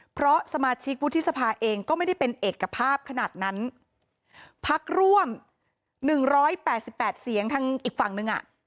มาชิกวุฒิษภาเองก็ไม่ได้เป็นเอกกราภาพขนาดนั้นพักร่วม๑๘๘เสียงทางอีกฝั่งนึงอ่ะ